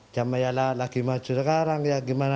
jamban ya lagi maju sekarang ya gimana lagi